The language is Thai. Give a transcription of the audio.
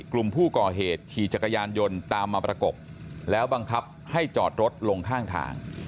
กลุ่มผู้ก่อเหตุขี่จักรยานยนต์ตามมาประกบแล้วบังคับให้จอดรถลงข้างทาง